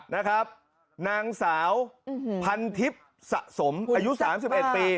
นางสาวพันทิพย์สะสมอายุ๓๑ปี